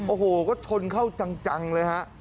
โอ้โหก็ชนเข้าจังเลยฮะ